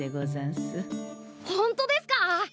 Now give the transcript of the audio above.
ほんとですか！？